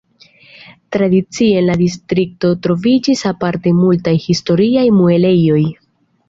Tradicie en la distrikto troviĝis aparte multaj historiaj muelejoj.